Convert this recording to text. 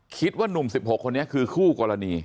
คิดว่านุ่มสิบหกคนนี้คือคู่กรณี